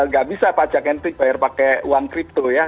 gak bisa pajak nft bayar pakai uang crypto ya